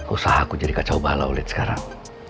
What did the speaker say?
usaha aku jadi kacau bala ulit sekarang